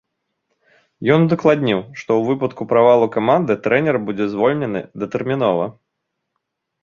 Ён удакладніў, што ў выпадку правалу каманды трэнер будзе звольнены датэрмінова.